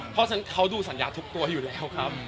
เพราะฉะนั้นเขาดูสัญญาทุกตัวอยู่แล้วครับ